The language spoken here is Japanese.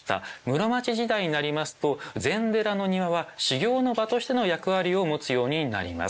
室町時代になりますと禅寺の庭は修行の場としての役割を持つようになります。